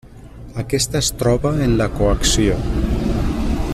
Aquesta es troba en la coacció.